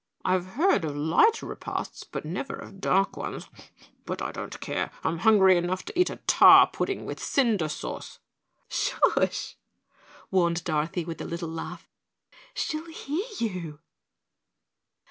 "I've heard of light repasts, but never of dark ones. But I don't care. I'm hungry enough to eat tar pudding with cinder sauce." "Sh hh!" warned Dorothy with a little laugh. "She'll hear you."